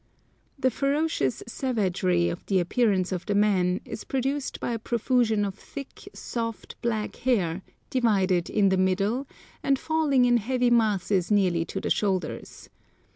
The "ferocious savagery" of the appearance of the men is produced by a profusion of thick, soft, black hair, divided in the middle, and falling in heavy masses nearly to the shoulders.